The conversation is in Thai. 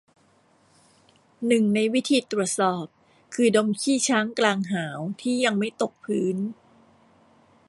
หนึ่งในวิธีตรวจสอบ คือดมขี้ช้างกลางหาว ที่ยังไม่ตกพื้น